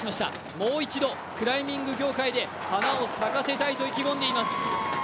もう一度クライミング業界で花を咲かせたいと意気込んでいます。